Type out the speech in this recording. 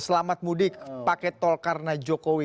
selamat mudik pakai tol karena jokowi